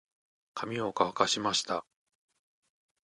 髪を乾かしました。